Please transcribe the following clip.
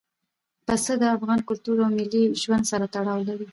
پسه د افغان کلتور او ملي ژوند سره تړاو لري.